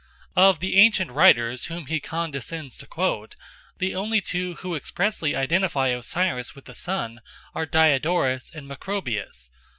Of the ancient writers whom he condescends to quote, the only two who expressly identify Osiris with the sun are Diodorus and Macrobius.